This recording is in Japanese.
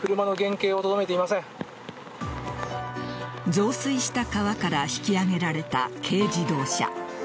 増水した川から引き揚げられた軽自動車。